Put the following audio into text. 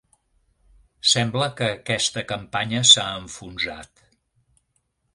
Sembla que aquesta campanya s'ha enfonsat.